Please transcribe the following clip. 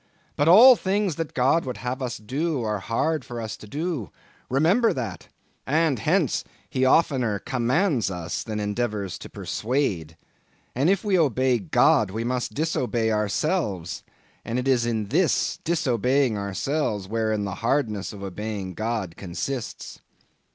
But all the things that God would have us do are hard for us to do—remember that—and hence, he oftener commands us than endeavors to persuade. And if we obey God, we must disobey ourselves; and it is in this disobeying ourselves, wherein the hardness of obeying God consists.